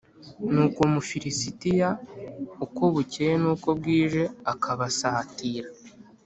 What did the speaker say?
Nuko uwo Mufilisitiya, uko bukeye n’uko bwije akabasatira